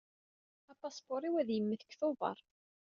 Apaspuṛ-iw ad yemmet deg Tubeṛ.